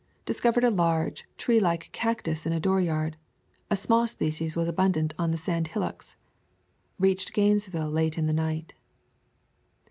Discovered a large, treelike cactus in a dooryard; a small species was abundant on the sand hillocks. Reached Gainesville late in the night.